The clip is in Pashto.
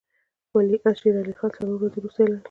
ولیعهد یې شېر علي خان څلور ورځې وروسته سلطنت اعلان کړ.